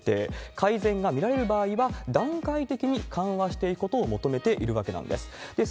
改善が見られる場合は、段階的に緩和していくことを求めているわけなんです。